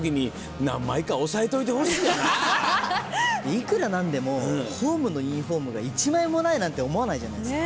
いくらなんでもホームのユニホームが１枚もないなんて思わないじゃないですか。